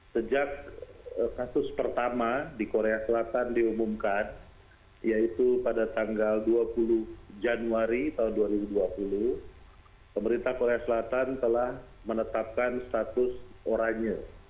sejak kasus pertama di korea selatan diumumkan yaitu pada tanggal dua puluh januari tahun dua ribu dua puluh pemerintah korea selatan telah menetapkan status oranye